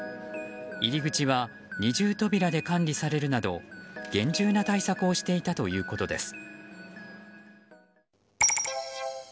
入り口は二重扉で管理されるなど厳重な対策をしていたということです。